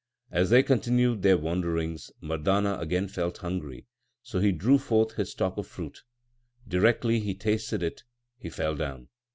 As they continued their wanderings, Mardana again felt hungry, so he drew forth his stock of fruit. Directly he tasted it he fell down.